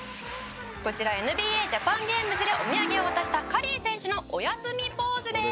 「こちらＮＢＡジャパンゲームズでお土産を渡したカリー選手のおやすみポーズです」